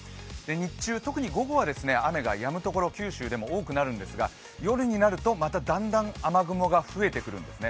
日中、特に午後は雨がやむところ、九州でも多くなるんですが、夜になるとまただんだん雨雲が増えてくるんですね。